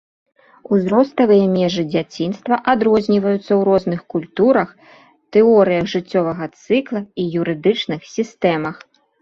Узроставыя межы дзяцінства адрозніваюцца ў розных культурах, тэорыях жыццёвага цыкла і юрыдычных сістэмах.